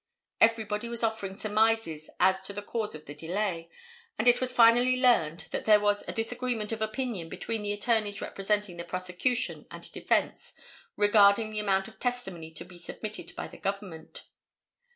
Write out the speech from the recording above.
Everybody was offering surmises as to the cause of the delay, and it was finally learned that there was a disagreement of opinion between the attorneys representing the prosecution and defence regarding the amount of testimony to be submitted by the Government.